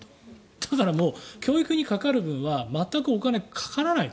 だから、教育にかかる分は全くお金がかからないと。